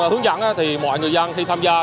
hướng dẫn mọi người dân khi tham gia